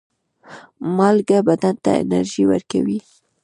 مالګه بدن ته انرژي ورکوي.